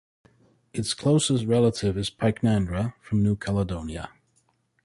Its closest relative is "Pycnandra" from New Caledonia.